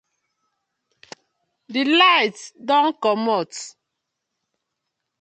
DI light don komot.